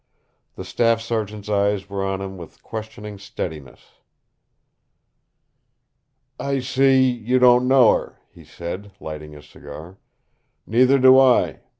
The staff sergeant's eyes were on him with questioning steadiness. "I see you don't know her," he said, lighting his cigar. "Neither do I.